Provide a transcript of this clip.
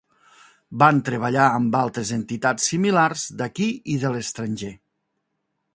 Van treballar amb altres entitats similars d'aquí i de l'estranger.